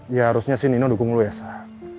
ya harusnya si nino dukung lo ya sah